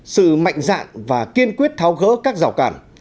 sự mạnh dạn và kiên quyết tháo gỡ các rào cản